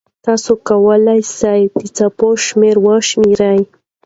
تاسو کولای سئ د څپو شمېر وشمېرئ.